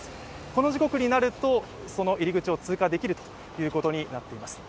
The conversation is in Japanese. その時刻になると、その入口を通過できるということになっています。